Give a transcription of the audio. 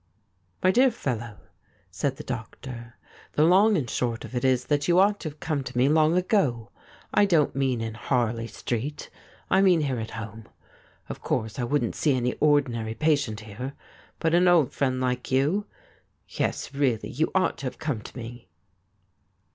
' My dear fellow,' said the doctor, ' the long and short of it is that 27 c 2 THIS IS ALL you ought to have come to rae long ago. I don't mean in Harley Street —I mean here at hoixie. Of course, I wouldn't see any ordinary patient here ; but an old friend like you —• yes, really you ought to have come to me.'